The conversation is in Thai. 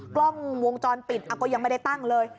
กล้องวงจรปิดก็ยังไม่ได้ตั้งเลย